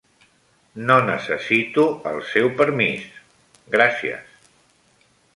No necessito el seu permís, gràcies.